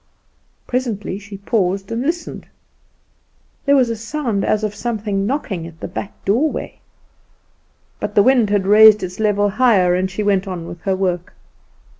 Presently she paused and listened; there was a sound as of something knocking at the back doorway. But the wind had raised its level higher, and she went on with her work.